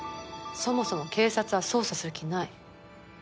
そもそも警察は捜査する気ない。